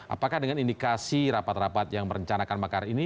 apakah dengan indikasi rapat rapat yang merencanakan makar ini